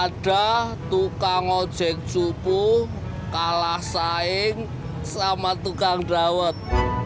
ada tukang ojek subuh kalah saing sama tukang dawet